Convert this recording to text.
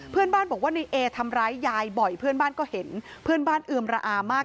เพื่อนบ้านบอกว่าในเอทำร้ายยายบ่อยเพื่อนบ้านก็เห็นเพื่อนบ้านเอือมระอามาก